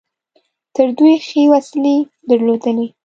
تر دوی ښې وسلې درلودلې.